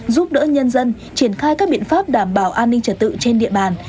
giúp đỡ nhân dân triển khai các biện pháp đảm bảo an ninh trật tự trên địa bàn